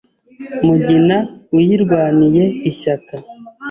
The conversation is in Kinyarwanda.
Mugina uyirwaniye ishyaka